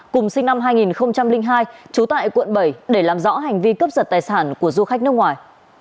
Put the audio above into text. cùng sinh năm hai nghìn hai trú tại quận bảy để làm rõ hành vi cướp giật tài sản của du khách nước ngoài